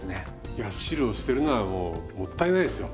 いや汁を捨てるのはもうもったいないですよ。